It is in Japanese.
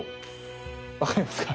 分かりますか？